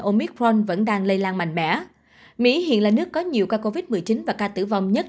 omitforn vẫn đang lây lan mạnh mẽ mỹ hiện là nước có nhiều ca covid một mươi chín và ca tử vong nhất